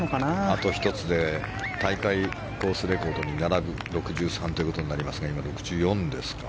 あと１つで大会コースレコードに並ぶ６３ということになりますが今、６４ですか。